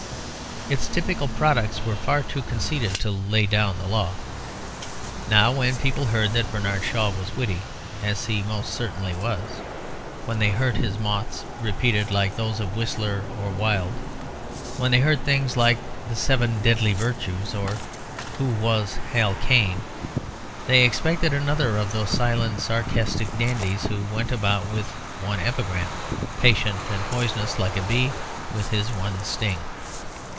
Its typical products were far too conceited to lay down the law. Now when people heard that Bernard Shaw was witty, as he most certainly was, when they heard his mots repeated like those of Whistler or Wilde, when they heard things like "the Seven deadly Virtues" or "Who was Hall Caine?" they expected another of these silent sarcastic dandies who went about with one epigram, patient and poisonous, like a bee with his one sting.